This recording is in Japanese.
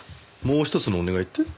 もうひとつのお願いって？